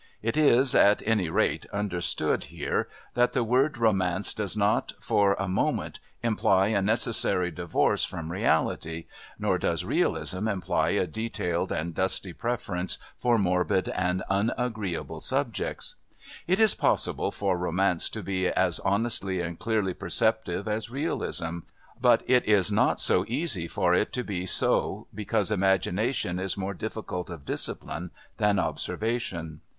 It is, at any rate, understood here that the word Romance does not, for a moment, imply a necessary divorce from reality, nor does Realism imply a detailed and dusty preference for morbid and unagreeable subjects. It is possible for Romance to be as honestly and clearly perceptive as Realism, but it is not so easy for it to be so because imagination is more difficult of discipline than observation.